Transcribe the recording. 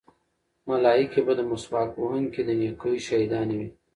ملایکې به د مسواک وهونکي د نیکیو شاهدانې وي.